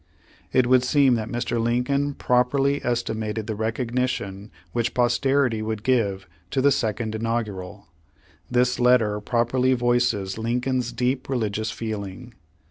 It would seem that Mr. Lincoln properly esti mated the recognition which posterity would give to the Second Inaugural. This letter properly voices Lincoln's deep religious feeling.